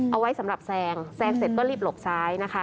เอาไว้สำหรับแซงแซงเสร็จก็รีบหลบซ้ายนะคะ